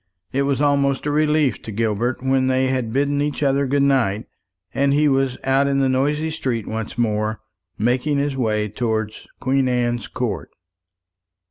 It was almost a relief to Gilbert when they had bidden each other good night, and he was out in the noisy streets once more, making his way towards Queen Anne's Court.